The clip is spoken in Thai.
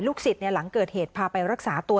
สิทธิ์หลังเกิดเหตุพาไปรักษาตัว